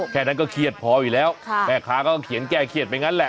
แค่นั้นก็เครียดพออยู่แล้วแม่ค้าก็เขียนแก้เครียดไปงั้นแหละ